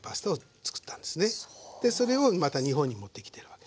でそれをまた日本に持ってきてるわけ。